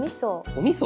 おみそ